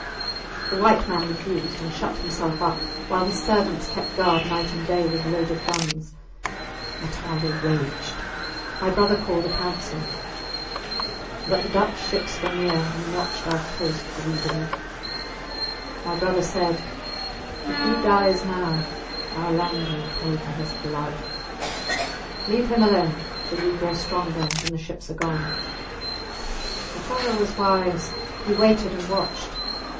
The white man refused and shut himself up, while his servants kept guard night and day with loaded guns. Matara raged. My brother called a council. But the Dutch ships were near, and watched our coast greedily. My brother said, If he dies now our land will pay for his blood. Leave him alone till we grow stronger and the ships are gone. Matara was wise; he waited and watched.